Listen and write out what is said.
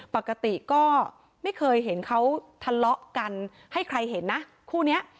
ปกติก็ไม่เคยเห็นเขาทะเลาะกันให้ใครเห็นนะคู่นี้